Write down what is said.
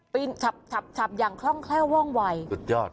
ขับขับอย่างคล่องแคล่วว่องวัยสุดยอด